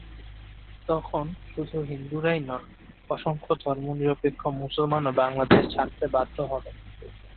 তখন শুধু হিন্দুরাই নন, অসংখ্য ধর্মনিরপেক্ষ মুসলমানও বাংলাদেশ ছাড়তে বাধ্য হবেন।